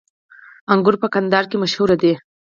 انګور په کندهار کې مشهور دي